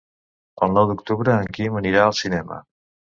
El nou d'octubre en Quim anirà al cinema.